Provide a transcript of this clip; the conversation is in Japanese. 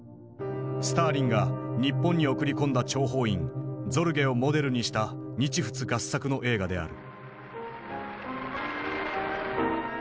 スターリンが日本に送り込んだ諜報員ゾルゲをモデルにした日仏合作の映画である。